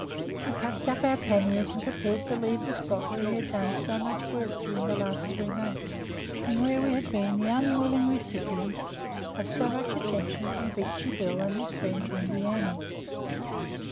We packed up our panniers and prepared to leave the spot where we had done so much work during the last three months, and where we had been the unwilling recipients of so much attention from Beachy Bill and his friend Windy Annie.